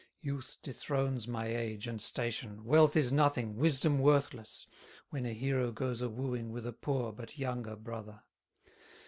Youth dethrones my age and station, Wealth is nothing, wisdom worthless, When a hero goes a wooing With a poor but younger brother.